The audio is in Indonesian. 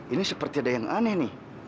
ini seperti ada yang aneh nih